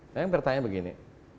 saya bertanya begini